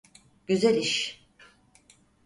Güzel iş.